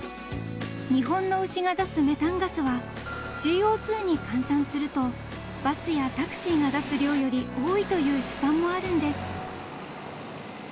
［日本の牛が出すメタンガスはＣＯ２に換算するとバスやタクシーが出す量より多いという試算もあるんです］